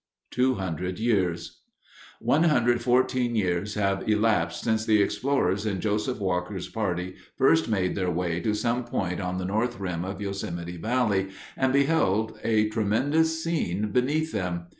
Two Hundred Years One hundred fourteen years have elapsed since the explorers in Joseph Walker's party first made their way to some point on the north rim of Yosemite Valley and beheld a tremendous scene beneath them.